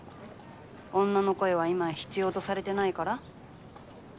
女の声は今や必要とされてないから？